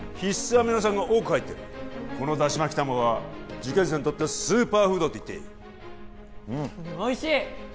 アミノ酸が多く入ってるこのだし巻き卵は受験生にとってスーパーフードといっていいうんっおいしい！